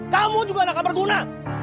kamu juga nggak akan berguna